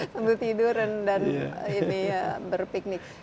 sambil tidur dan berpiknik